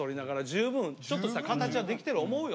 十分ちょっとした形はできてる思うよ